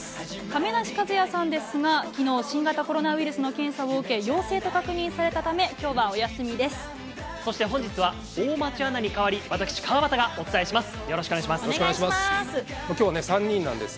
亀梨和也さんですが、きのう新型コロナウイルスの検査を受け、陽性と確認されたため、きょうはお休みです。